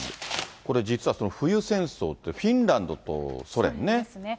これ実は、冬戦争って、フィンランドとソ連ね。